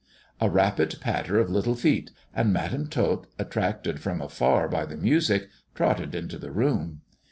A rapid patter of little feet, and Madam Tot, attracted from afar by the music, trotted into the room.